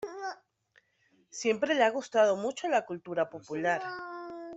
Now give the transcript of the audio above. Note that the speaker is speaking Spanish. Siempre le ha gustado mucho la cultura popular.